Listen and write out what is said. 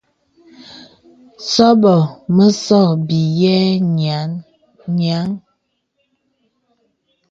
Sɔbɔ̄ mə sɔ̄ bìyɛ yìnə̀.